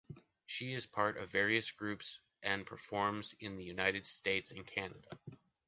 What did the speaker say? She is part of various groups and performs in the United States and Canada.